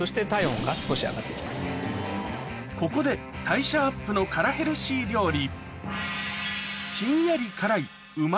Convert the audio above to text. ここで代謝アップの辛ヘルシー料理